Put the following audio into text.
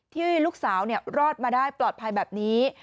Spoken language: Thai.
ที่ลูกสาวรอดมาได้ปลอดภัยแบบนี้